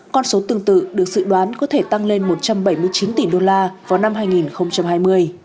con số tương tự được dự đoán có thể tăng lên một trăm bảy mươi chín tỷ đô la vào năm hai nghìn hai mươi